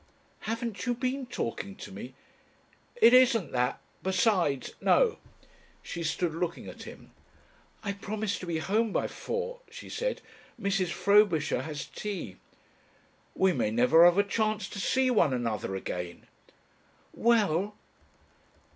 "Haven't you been talking to me?" "It isn't that. Besides no." She stood looking at him. "I promised to be home by four," she said. "Mrs. Frobisher has tea...." "We may never have a chance to see one another again." "Well?"